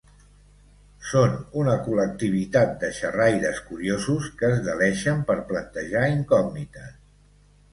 Són una col·lectivitat de xerraires curiosos que es deleixen per plantejar incògnites.